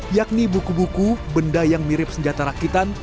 yakni buku buku benda yang mirip senjata rakitan